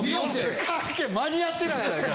間に合ってないやないか！